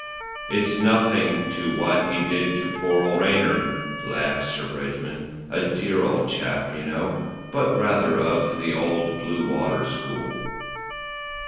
"It's nothing to what he did to poor old Rayner," laughed Sir Bridgman. "A dear old chap, you know, but rather of the old blue water school."